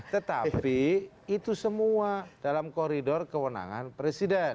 tetapi itu semua dalam koridor kewenangan presiden